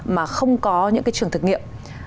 mà không có những trường thực nghiệm